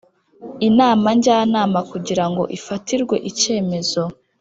Inama njyanama kugira ngo ifatirwe icyemezo